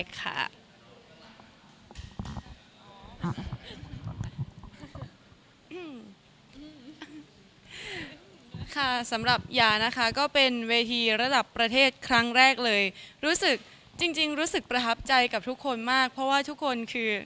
ค่ะสำหรับยานะคะก็เป็นเวทีระดับประเทศครั้งแรกเลยรู้สึกจริงรู้สึกประทับใจกับทุกคนมากเพราะว่าทุกคนคือ